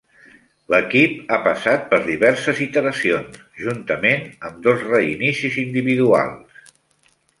L'equip ha passat per diverses iteracions, juntament amb dos reinicis individuals.